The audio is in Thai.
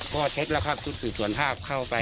ก็เช็คแล้วค่ะพุธสุดส่วนภาพเข้าไป